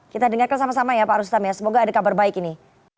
kita dengarkan sama sama ya pak rustam ya semoga ada kabar baik ini